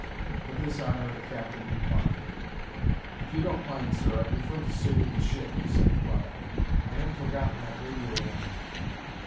But this honor the captain declined. "If you don't mind, sir, I'd prefer to stay with the ship," he said, quietly. "I haven't forgotten that radio warning."